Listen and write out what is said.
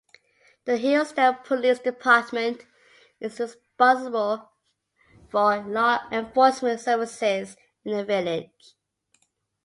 The Hillsdale Police Department is responsible for law enforcement services in the village.